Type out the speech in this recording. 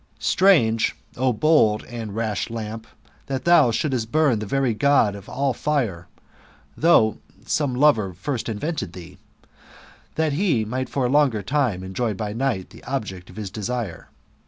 Strange, O bold and rash lamp, that thou should burn the very God of all fire, though some lover first invented thee, that he might for a longer time enjoy by night the object of his desire.